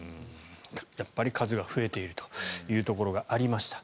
やっぱり数が増えているというところがありました。